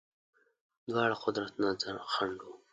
دواړه قدرتونه خنډ وه.